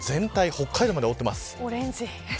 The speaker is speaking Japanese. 北海道まで覆っています。